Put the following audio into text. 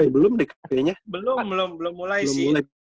belum belum belum mulai sih